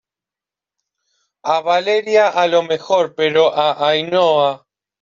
a Valeria a lo mejor, pero a Ainhoa